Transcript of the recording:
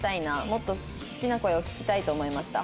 「もっと好きな声を聞きたいと思いました」